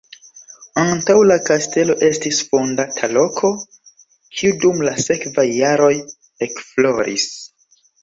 Antaŭ la kastelo estis fondata loko, kiu dum la sekvaj jaroj ekfloris.